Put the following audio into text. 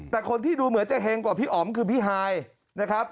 แต่คนที่ดูเหมือนจะเฮงกว่าพี่อ๋อมคือพี่ฮายนะครับ